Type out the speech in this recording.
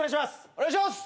お願いします。